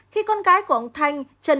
khi con gái của ông trần quý thanh